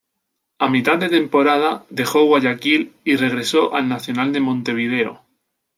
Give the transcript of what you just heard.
A mitad de temporada dejó Guayaquil y regresó al Nacional de Montevideo.